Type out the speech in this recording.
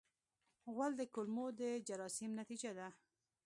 غول د کولمو د جراثیم نتیجه ده.